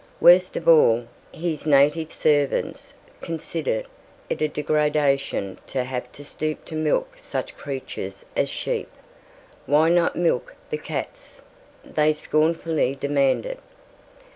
Worst of all, his native servants considered it a degradation to have to stoop to milk such creatures as sheep. "Why not milk the cats?" they scornfully demanded.